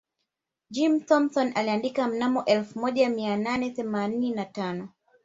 Jim Thompson aliandika mnamo elfu moja mia nane themanini na tano